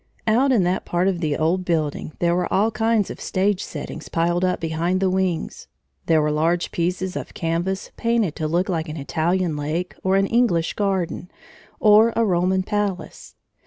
Out in that part of the old building there were all kinds of stage settings piled up behind the wings. There were large pieces of canvas painted to look like an Italian lake, or an English garden, or a Roman palace.